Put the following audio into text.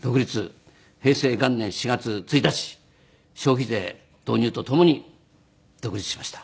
平成元年４月１日消費税導入とともに独立しました。